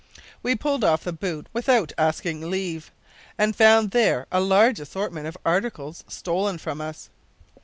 We pulled off the boot without asking leave, and found there a large assortment of articles stolen from us.